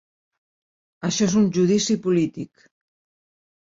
Això és un judici polític.